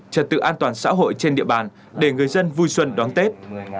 trật tự an toàn xã hội trên địa bàn để người dân vui xuân đón tết